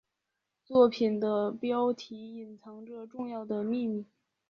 作品的标题隐藏着重要的秘密。